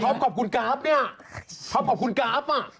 ชอบกับคุณกราฟนี่ชอบกับคุณกราฟ